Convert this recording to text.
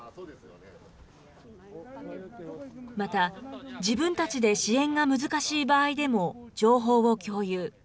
また自分たちで支援が難しい場合でも情報を共有。